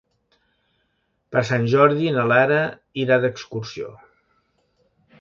Per Sant Jordi na Lara irà d'excursió.